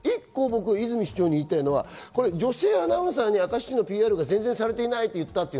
泉市長に一個言いたいのは女性アナウンサーに明石のＰＲが全然されていないと言ったと。